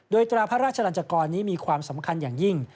โดยตราพระราชลันจกรนี้มีความสำคัญอย่างยิ่ง